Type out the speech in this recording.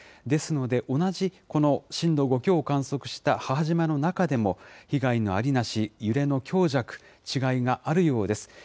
ですので、同じこの震度５強を観測した母島の中でも、被害のありなし、揺れの強弱、違いがあるようです。